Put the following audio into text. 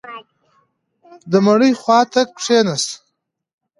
د مړي خوا ته کښېناسته.